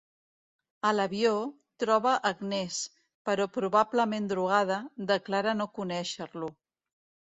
A l'avió, troba Agnès, però probablement drogada, declara no conèixer-lo.